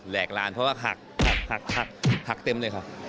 แหลกลานเพราะว่าหักหักหักเห็นเลยค่ะ